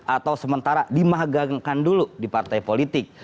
atau sementara dimahgangkan dulu di partai politik